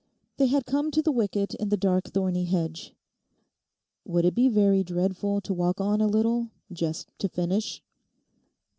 They had come to the wicket in the dark thorny hedge. 'Would it be very dreadful to walk on a little—just to finish?